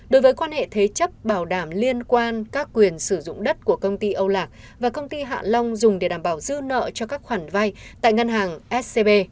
đối với quan hệ thế chấp bảo đảm liên quan các quyền sử dụng đất của công ty âu lạc và công ty hạ long dùng để đảm bảo dư nợ cho các khoản vay tại ngân hàng scb